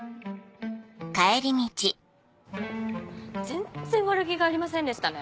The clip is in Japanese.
全然悪気がありませんでしたね。